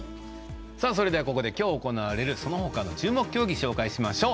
それでは、ここできょう行われるそのほかの注目競技を紹介しましょう。